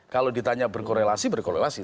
kalau ditanya berkorelasi berkorelasi